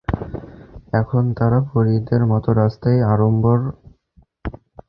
এখন তারা পরীদের মত রাস্তার আড়ম্বর।